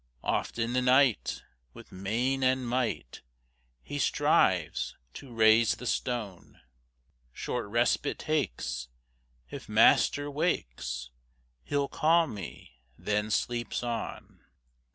Oft in the night, With main and might, He strives to raise the stone; Short respite takes: "If master wakes, He'll call me," then sleeps on.